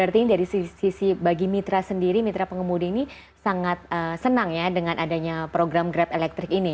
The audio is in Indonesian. artinya dari sisi bagi mitra sendiri mitra pengemudi ini sangat senang ya dengan adanya program grab elektrik ini